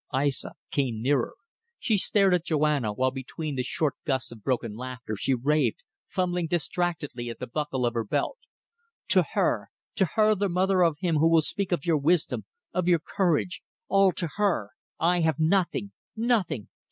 Aissa came nearer. She stared at Joanna, while between the short gusts of broken laughter she raved, fumbling distractedly at the buckle of her belt. "To her! To her the mother of him who will speak of your wisdom, of your courage. All to her. I have nothing. Nothing.